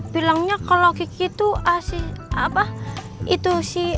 bilangnya kalau kiki itu